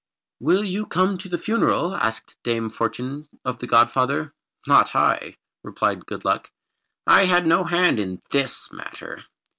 "Will you come to the funeral?" asked Dame Fortune of the godfather. "Not I," replied Good Luck. "I had no hand in this matter."